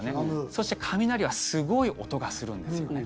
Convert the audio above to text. そして、雷はすごい音がするんですよね。